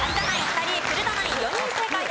２人古田ナイン４人正解です。